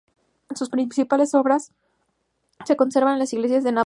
Sus principales obras se conservan en las iglesias de Nápoles.